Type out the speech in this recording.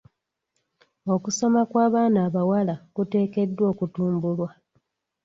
Okusoma kw'abaana abawala kuteekeddwa okutumbulwa.